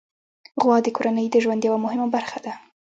غوا د کورنۍ د ژوند یوه مهمه برخه ده.